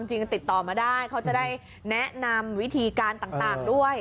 จริงติดต่อมาได้เขาจะได้แนะนำวิธีการต่างด้วย